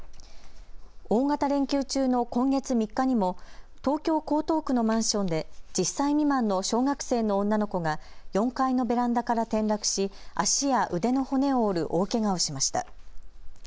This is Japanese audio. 大型連休中の今月３日にも東京・江東区のマンションで１０歳未満の小学生の女の子が４階のベランダから転落し足や腕の骨を折る大けがをしました。